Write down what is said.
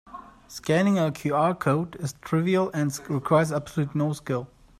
Scanning a QR code is trivial and requires absolutely no skill.